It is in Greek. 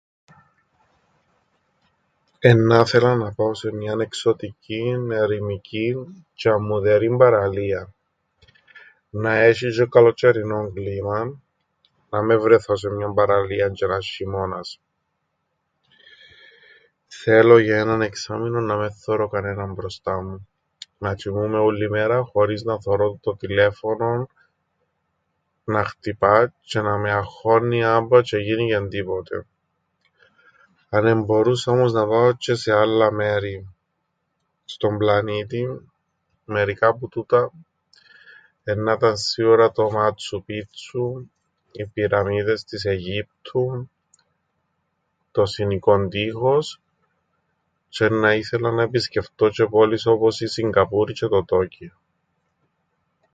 Εννά 'θελα να πάω σε μιαν εξωτικήν, ερημικήν τζ̆αι αμμουδερήν παραλίαν. Να έσ̆ει τζ̆αι καλοτζ̆αιρινόν κλίμαν. Να μεν βρεθώ σε παραλίαν τζ̆αι να 'ν' σ̆ειμώνας. Θέλω για έναν εξάμηνον να μεν θωρώ κανέναν μπροστά μου. Να τζ̆οιμούμαι ούλλη μέρα χωρίς θωρώ το τηλέφωνον να χτυπά τζ̆αι να με αγχώννει άμπα τζ̆αι εγίνηκεν τίποτε. Αν εμπορούσα όμως να πάω τζ̆αι σε άλλα μέρη στον πλανήτην, μερικά που τούτα εννά ήταν σίουρα το Μάτσου Πίτσου, οι πυραμίδες της Αιγύπτου, το Σινικον Τοίχος, τζ̆αι εννά ήθελα να επισκεφτώ πόλεις όπως η Σιγκαπούρη τζ̆αι το Τόκιον.